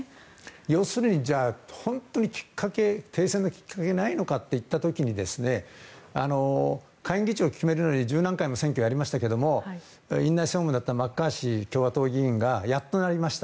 要するに、本当に停戦のきっかけはないのかといった時に下院議長を決めるのに十何回も選挙をやりましたけどマッカーシー共和党議長がやっとなりました。